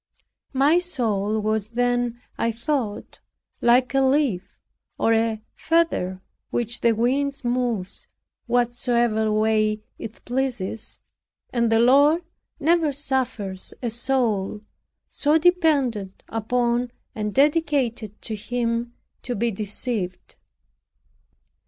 My soul was then, I thought, like a leaf, or a feather, which the wind moves what way soever it pleases and the Lord never suffers a soul so dependent upon, and dedicated to Him, to be deceived.